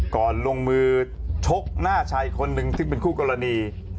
ลงมือชกหน้าชายคนหนึ่งซึ่งเป็นคู่กรณี